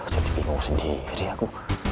jadi bingung sendiri aku